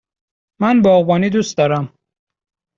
من باغبانی دوست دارم.